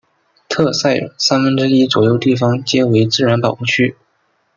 特塞尔三分之一左右地方皆为自然保护区。